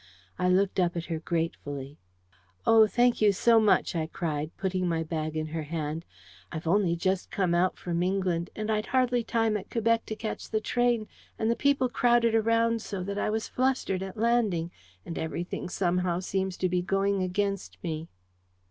I looked up at her gratefully. "Oh, thank you so much!" I cried, putting my bag in her hand. "I've only just come out from England; and I'd hardly time at Quebec to catch the train; and the people crowded around so, that I was flustered at landing; and everything somehow seems to be going against me."